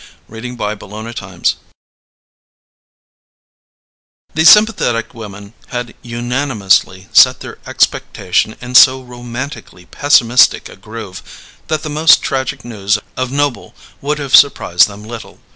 CHAPTER TWENTY ONE These sympathetic women had unanimously set their expectation in so romantically pessimistic a groove that the most tragic news of Noble would have surprised them little.